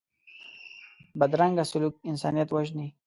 بدرنګه سلوک انسانیت وژني